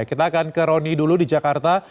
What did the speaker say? kita akan ke roni dulu di jakarta